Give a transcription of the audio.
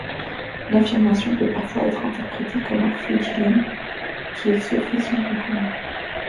L'affirmation peut parfois être interprétée comme un faux dilemme, qui est un sophisme reconnu.